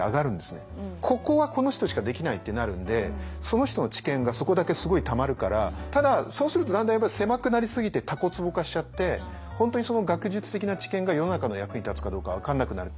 ここはこの人しかできないってなるんでその人の知見がそこだけすごいたまるからただそうするとだんだんやっぱり狭くなりすぎてたこつぼ化しちゃって本当にその学術的な知見が世の中の役に立つかどうか分かんなくなる。